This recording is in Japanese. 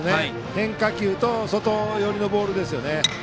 変化球と外寄りのボールです。